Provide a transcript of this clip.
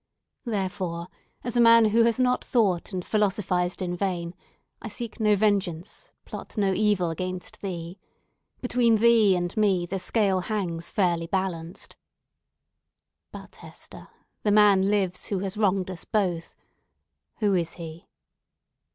Therefore, as a man who has not thought and philosophised in vain, I seek no vengeance, plot no evil against thee. Between thee and me, the scale hangs fairly balanced. But, Hester, the man lives who has wronged us both! Who is he?"